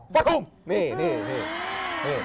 ฟะทุ่มนี่นี่นี่